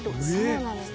そうなんです。